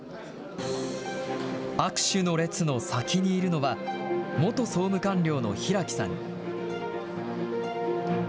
握手の列の先にいるのは、元総務官僚の平木さん。